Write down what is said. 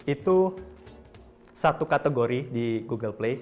itu satu kategori di google play